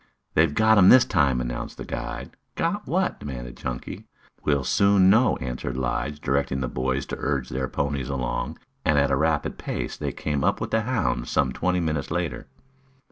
"They've got him this time," announced the guide. "Got what?" demanded Chunky. "We'll know soon," answered Lige directing the boys to urge their ponies along, and at a rapid pace they came up with the hounds some twenty minutes later.